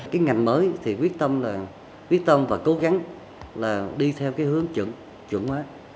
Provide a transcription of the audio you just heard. cái ngành mới thì quyết tâm là quyết tâm và cố gắng là đi theo cái hướng dẫn chuẩn hóa